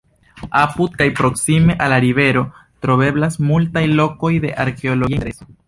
Apud kaj proksime al la rivero troveblas multaj lokoj de arkeologia intereso.